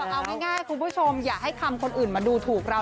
เอาง่ายคุณผู้ชมอย่าให้คำคนอื่นมาดูถูกเรา